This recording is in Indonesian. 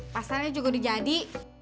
pastanya juga dijadi